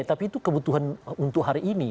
tapi itu kebutuhan untuk hari ini